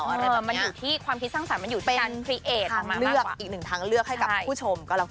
อื้อมันอยู่ที่ความคิดสร้างสรรค์มันอยู่ที่คนข้นเป็นทางเลือกให้ผู้ชมไลก่อนนะครับ